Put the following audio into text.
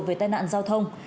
về tai nạn giao thông